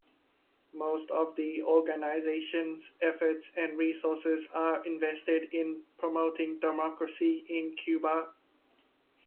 Most of the organization's efforts and resources are invested in "promoting democracy in Cuba".